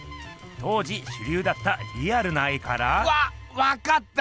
当時しゅりゅうだったリアルな絵から。わわかった！